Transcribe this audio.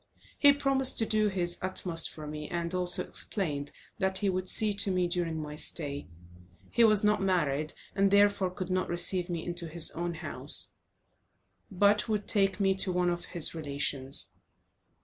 He promised to do his utmost for me, and also explained that he would see to me during my stay; he was not married, and therefore could not receive me into his own house, but would take me to one of his relations.